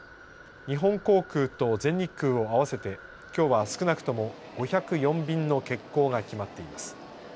日本航空と全日空を合わせてきょうは少なくとも５０４便の欠航が決まっています。